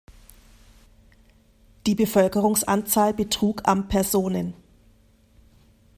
Die Bevölkerungsanzahl betrug am Personen.